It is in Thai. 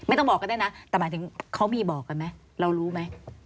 ไม่ต้องบอกก็ได้นะแต่หมายถึงเขามีบอกกันไหมเรารู้ไหม